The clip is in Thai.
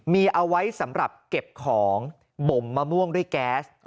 มีเอาไว้สำหรับเก็บของบ่มมะม่วงด้วยแก๊ส